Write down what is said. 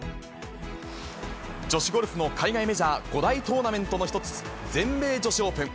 女子ゴルフの海外メジャー、５大トーナメントの１つ、全米女子オープン。